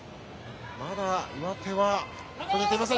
まだ上手は取れていません。